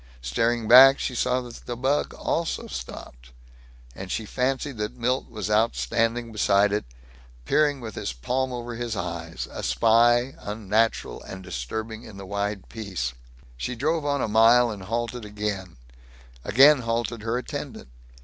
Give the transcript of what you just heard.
Staring back she saw that the bug stopped also, and she fancied that Milt was out standing beside it, peering with his palm over his eyes a spy, unnatural and disturbing in the wide peace. She drove on a mile and halted again; again halted her attendant.